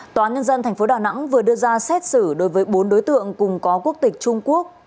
tòa nhân dân tp đà nẵng vừa đưa ra xét xử đối với bốn đối tượng cùng có quốc tịch trung quốc